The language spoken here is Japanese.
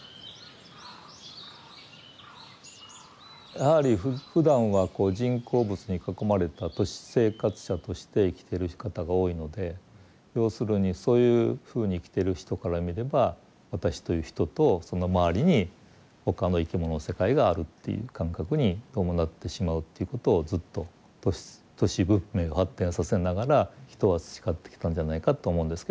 やはりふだんはこう人工物に囲まれた都市生活者として生きてる方が多いので要するにそういうふうに生きてる人から見れば私という人とその周りに他の生き物の世界があるという感覚にどうもなってしまうということをずっと都市文明を発展させながら人は培ってきたんじゃないかと思うんですけども。